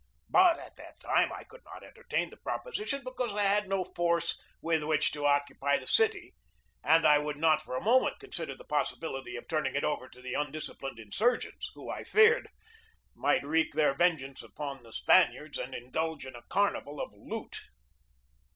But at that time I could not entertain the proposition because I had no force with which to. occupy the city, and I would not for a moment consider the possibility of turning it over to the un disciplined insurgents, who, I feared, might wreak their vengeance upon the Spaniards and indulge in a carnival of loot.